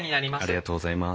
ありがとうございます。